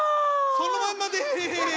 そのまんまです！